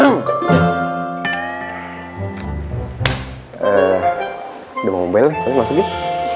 udah mau mobil nih terus masuk yuk